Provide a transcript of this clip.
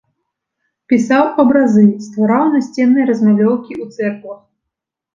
Пісаў абразы, ствараў насценныя размалёўкі ў цэрквах.